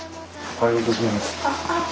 おはようございます。